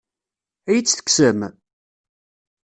Ad iyi-tt-tekksem?